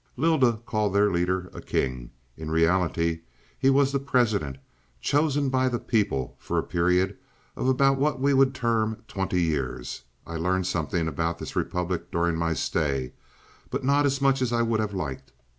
"Lylda called their leader a king. In reality he was the president, chosen by the people, for a period of about what we would term twenty years; I learned something about this republic during my stay, but not as much as I would have liked.